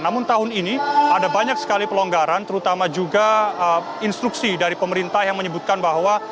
namun tahun ini ada banyak sekali pelonggaran terutama juga instruksi dari pemerintah yang menyebutkan bahwa